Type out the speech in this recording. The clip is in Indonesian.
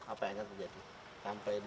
apa yang akan terjadi